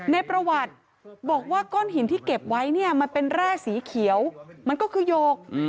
ในประวัติบอกว่าก้อนหินที่เก็บไว้เนี่ยมันเป็นแร่สีเขียวมันก็คือหยก